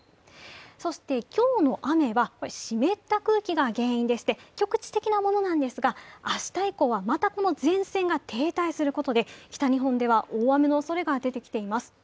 そして今日の雨は湿った空気が原因でして、局地的なものですが、明日以降はまたこの前線が停滞することで北日本では大雨のおそれが出てきています。